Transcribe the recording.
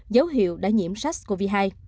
dấu hiệu đã nhiễm sars cov hai